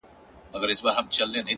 • كه به زما په دعا كيږي ـ